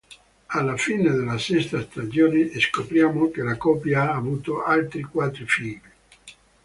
Alla fine della sesta stagione scopriamo che la coppia ha avuto altri quattro figli.